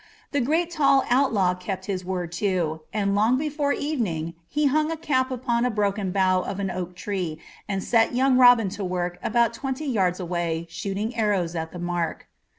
The great tall outlaw kept his word too, and long before evening he hung a cap upon a broken bough of an oak tree and set young Robin to work about twenty yards away shooting arrows at the mark.